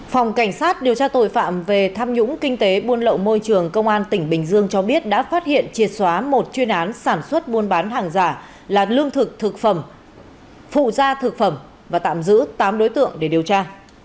phòng cảnh sát điều tra tội phạm về tham nhũng kinh tế buôn lậu môi trường công an tỉnh bình dương cho biết đã phát hiện triệt xóa một chuyên án sản xuất buôn bán hàng giả là lương thực thực phẩm phụ gia thực phẩm và tạm giữ tám đối tượng để điều tra